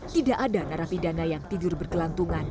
tidak ada narapidana yang tidur berkelantungan